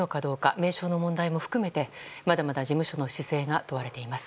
名称の問題も含めてまだまだ事務所の姿勢が問われています。